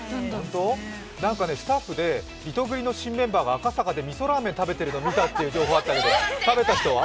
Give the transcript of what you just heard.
なんかね、スタッフでリトグリの新メンバーが赤坂でみそラーメンを食べているのを見たという情報があったけど、食べた人は？